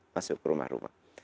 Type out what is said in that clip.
masuk ke rumah rumah